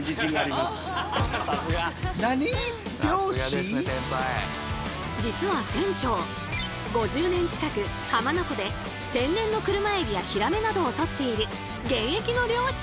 そうこちらは実は船長５０年近く浜名湖で天然の車海老やヒラメなどを取っている現役の漁師さん！